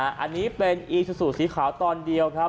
อันนี้เป็นอีซูซูสีขาวตอนเดียวครับ